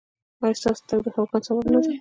ایا ستاسو تګ د خفګان سبب نه دی؟